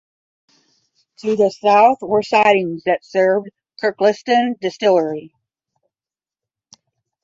To the south were sidings that served Kirkliston Distillery.